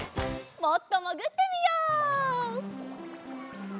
もっともぐってみよう。